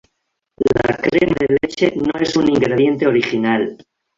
La crema de leche no es un ingrediente original.